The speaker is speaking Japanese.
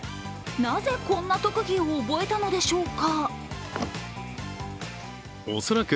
なぜこんな特技を覚えたのでしょうか？